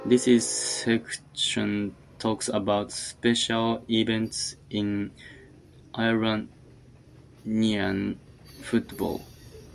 This section talks about special events in Iranian football.